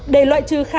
để loại trừ khả năng